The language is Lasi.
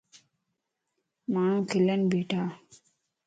ماڻهون کلن ٻيٺا.